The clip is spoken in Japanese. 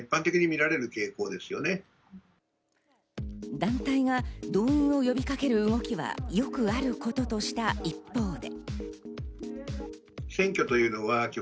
団体が動員を呼びかける動きはよくあることとした一方で。